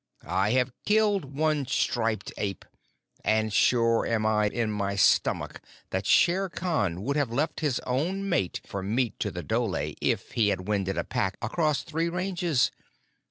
"I have killed one striped ape, and sure am I in my stomach that Shere Khan would have left his own mate for meat to the dhole if he had winded a pack across three ranges.